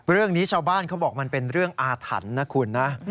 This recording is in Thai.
เรื่องนี้ชาวบ้านเขาบอกมันเป็นเรื่องอาถรรพ์นะคุณนะ